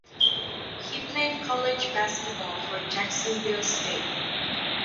He played college basketball for Jacksonville State.